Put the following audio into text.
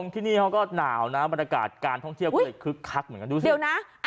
ที่นี่เขาก็หนาวนะบรรยากาศการท่องเที่ยวก็คึกคักเหมือนกัน